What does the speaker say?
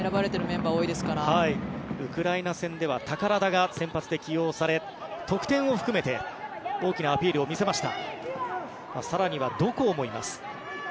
ウクライナ戦では宝田が先発で起用され得点を含めて大きなアピールを見せました。